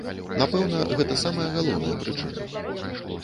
Напэўна, гэта самая галоўная прычына.